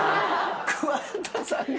桑田さんが。